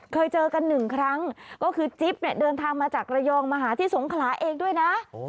เคยเจอกันหนึ่งครั้งก็คือจิ๊บเนี่ยเดินทางมาจากระยองมาหาที่สงขลาเองด้วยนะ